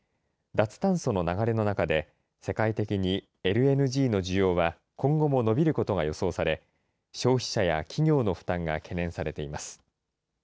脱炭素の流れの中で、世界的にＬＮＧの需要は今後も伸びることが予想され、消費者や企業の負担が懸念されています。